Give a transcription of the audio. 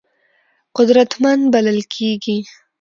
قدرتمند بلل کېږي.